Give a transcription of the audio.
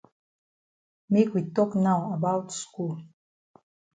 Make we tok now about skul.